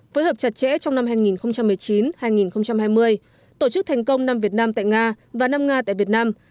phối hợp chặt chẽ trong năm hai nghìn một mươi chín hai nghìn hai mươi tổ chức thành công năm việt nam tại nga và năm nga tại việt nam